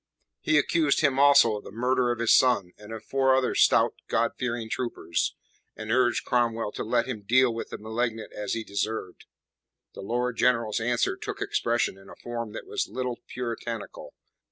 He accused him also of the murder of his son and of four other stout, God fearing troopers, and urged Cromwell to let him deal with the malignant as he deserved. The Lord General's answer took expression in a form that was little puritanical.